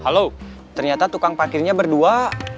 halo ternyata tukang parkirnya berdua